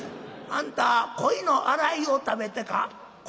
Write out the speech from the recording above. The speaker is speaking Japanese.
「あんた鯉の洗いを食べてか？」。